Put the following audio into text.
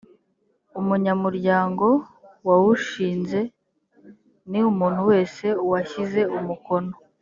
umunyamuryango wawushinze ni umuntu wese washyize umukono